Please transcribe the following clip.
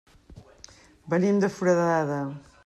Venim de Foradada.